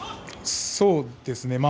そうですね。